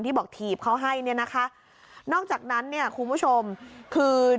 บอกถีบเขาให้เนี่ยนะคะนอกจากนั้นเนี่ยคุณผู้ชมคือ